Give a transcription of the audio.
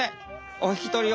おひき取りを。